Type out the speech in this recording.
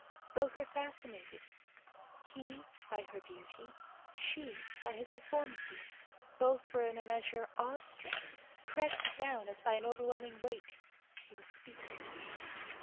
Both were fascinated he by her beauty, she by his deformity. Both were in a measure awe stricken. Pressed down, as by an overwhelming weight, he was speechless.